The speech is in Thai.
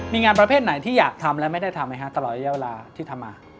มีงานประเภทไหนที่อยากทำและไม่ได้ทำไหมฮะตลอดระยะเวลาที่ทำมา